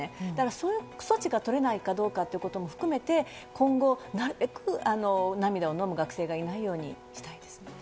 そういう措置が取れないかどうかも含めて今後なるべく涙をのむ学生がいないようにしてほしいです。